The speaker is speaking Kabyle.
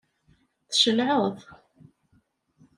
Tcelɛeḍ?